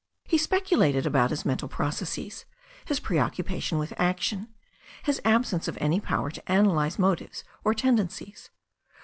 He speculated about his mental processes, his preoccupation with action, his absence of any power to analyse motives or tendencies.